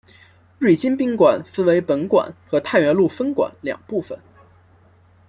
瑞金宾馆分为本馆和太原路分馆两部份。